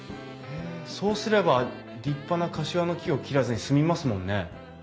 そうすれば立派なカシワの木を切らずに済みますもんね。